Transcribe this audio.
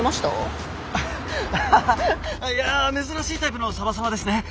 アハハいや珍しいタイプのサバサバですね。